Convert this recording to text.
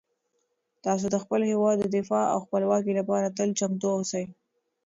تاسو د خپل هیواد د دفاع او خپلواکۍ لپاره تل چمتو اوسئ.